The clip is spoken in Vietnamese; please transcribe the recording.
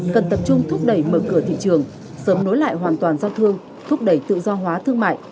cần tập trung thúc đẩy mở cửa thị trường sớm nối lại hoàn toàn giao thương thúc đẩy tự do hóa thương mại